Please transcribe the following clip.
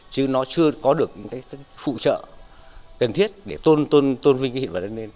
chứ nó chưa có được những cái phụ trợ cần thiết để tôn vinh cái hiện vật này lên